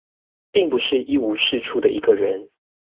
並不是一無是處的一個人